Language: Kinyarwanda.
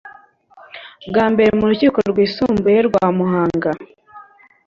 Bwa mbere mu rukiko rwisumbuye rwa Muhanga